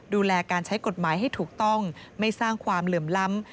ดูแลการใช้กฎหมายให้ถูกต้องไม่สร้างความเหลื่อมล้ำ